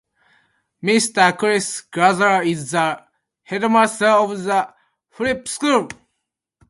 Mr Chris Gatherer is the headmaster of the Prep School.